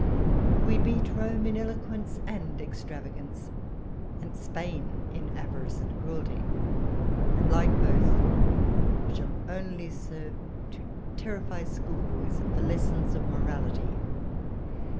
We beat Rome in eloquence and ex travagance ; and Spain in avarice and cruelty ; and, like both, we shall only serve to terrify schoolboys, and for lessons of morality